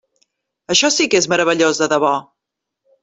Això sí que és meravellós de debò!